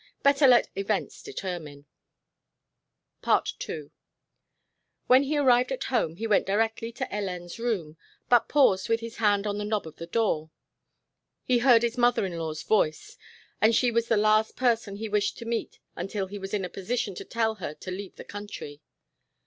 Better let events determine. II When he arrived at home he went directly to Hélène's room, but paused with his hand on the knob of the door. He heard his mother in law's voice and she was the last person he wished to meet until he was in a position to tell her to leave the country.